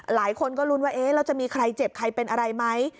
หลายคนก็ลุ้นว่าเอ๊ะแล้วจะมีใครเจ็บใครเป็นอะไรไหม